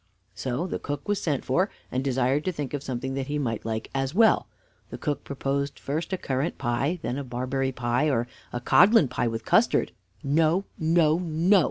So the cook was sent for, and desired to think of something that he might like as well. The cook proposed first a currant pie, then a barberry pie, or a codlin pie with custard. "No, no, no!"